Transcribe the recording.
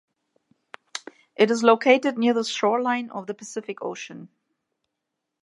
It is located near the shoreline of the Pacific Ocean.